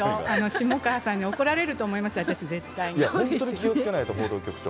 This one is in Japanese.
下川さんに怒られると思います、私、本当に気をつけないと、報道局長。